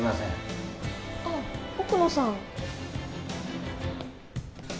あっ奥野さん。